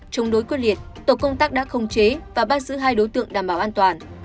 chống đối quyết liệt tổ công tác đã không chế và bắt giữ hai đối tượng đảm bảo an toàn